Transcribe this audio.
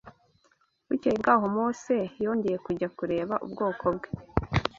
Bukeye bwaho Mose yongeye kujya kureba ubwoko bwe